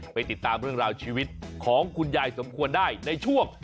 ไปติดตามเรื่องราวชีวิตของคุณยายสมควรได้ในช่วง